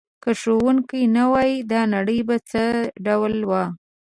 که ښوونکی نه وای دا نړۍ به څه ډول وه؟